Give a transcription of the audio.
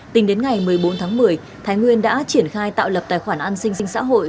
tính đến ngày một mươi bốn tháng một mươi thái nguyên đã triển khai tạo lập tài khoản an sinh xã hội